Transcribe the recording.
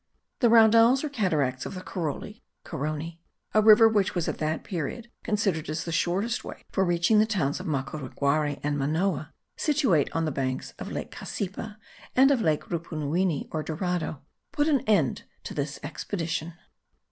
The Raudales or cataracts of the Caroli (Carony), a river which was at that period considered as the shortest way for reaching the towns of Macureguarai and Manoa, situate on the banks of lake Cassipa and of lake Rupunuwini or Dorado, put an end to this expedition.